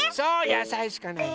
やさいしかないの。